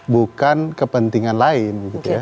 bukan kepentingan lain